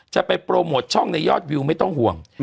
จะไปโปรโมทช่องในยอดวิวไม่ต้องห่วง